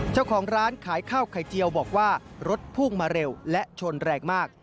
เจ้าของร้านขายข้าวไข่เจียวบอกว่ารถพุ่งมาเร็วและชนแรงมาก